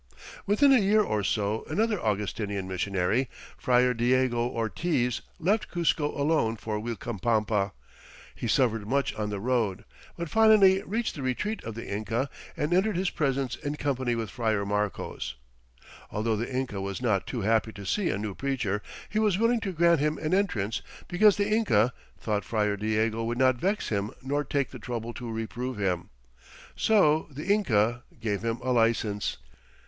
Within a year or so another Augustinian missionary, Friar Diego Ortiz, left Cuzco alone for Uilcapampa. He suffered much on the road, but finally reached the retreat of the Inca and entered his presence in company with Friar Marcos. "Although the Inca was not too happy to see a new preacher, he was willing to grant him an entrance because the Inca ... thought Friar Diego would not vex him nor take the trouble to reprove him. So the Inca gave him a license.